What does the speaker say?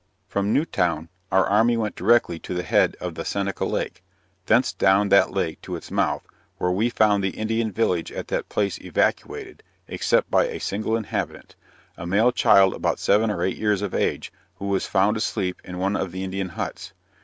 From Newtown our army went directly to the head of the Seneca lake; thence down that lake to its mouth, where we found the Indian village at that place evacuated, except by a single inhabitant a male child about seven or eight years of age, who was found asleep in one of the Indian huts.